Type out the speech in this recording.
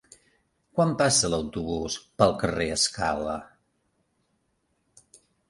Quan passa l'autobús pel carrer Escala?